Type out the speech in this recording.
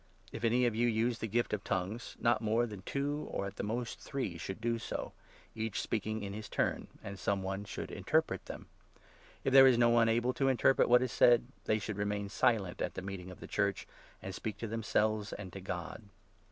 If any of you use the gift of ' tongues,' not more than 27 two, or at the most three, should do so — each speaking in his turn — and some one should interpret them. If there is no one 28 able to interpret what is said, they should remain silent at the meeting of the Church, and speak to themselves and to God.